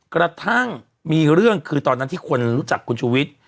กระทั่งมีเรื่องคือตอนนั้นที่คนรู้จักคุณชูวิทย์